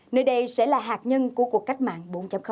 nơi đây sẽ là hạt nhân của cuộc cách mạng bốn